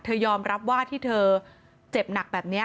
ยอมรับว่าที่เธอเจ็บหนักแบบนี้